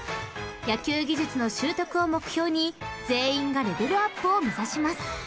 ［野球技術の習得を目標に全員がレベルアップを目指します］